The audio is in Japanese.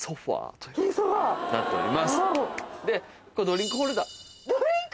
ドリンクホルダー！